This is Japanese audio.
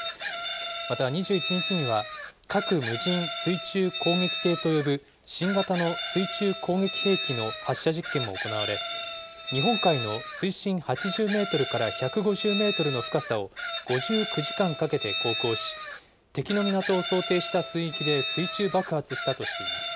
また、２１日には、核無人水中攻撃艇と呼ぶ新型の水中攻撃兵器の発射実験も行われ、日本海の水深８０メートルから１５０メートルの深さを５９時間かけて航行し、敵の港を想定した水域で水中爆発したとしています。